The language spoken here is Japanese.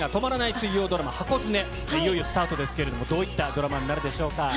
水曜ドラマ、ハコヅメ、いよいよスタートですけれども、どういったドラマになるでしょうか。